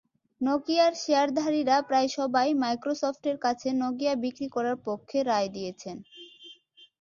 নকিয়ার শেয়ারধারীরা প্রায় সবাই মাইক্রোসফটের কাছে নকিয়া বিক্রি করার পক্ষে রায় দিয়েছেন।